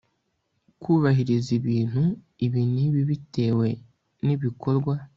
kubahiriza ibintu ibi n ibi bitewe n ibikorwa